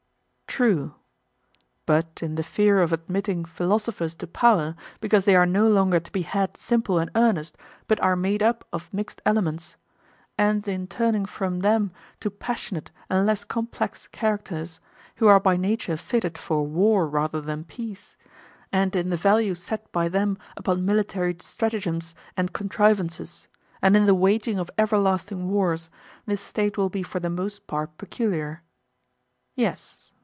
True. But in the fear of admitting philosophers to power, because they are no longer to be had simple and earnest, but are made up of mixed elements; and in turning from them to passionate and less complex characters, who are by nature fitted for war rather than peace; and in the value set by them upon military stratagems and contrivances, and in the waging of everlasting wars—this State will be for the most part peculiar. Yes.